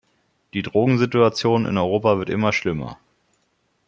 Die Drogensituation in Europa wird immer schlimmer.